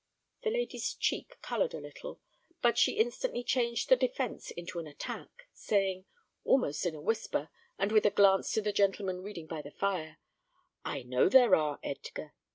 The lady's cheek coloured a little, but she instantly changed the defence into an attack, saying, almost in a whisper, and with a glance to the gentleman reading by the fire, "I know there are, Edgar.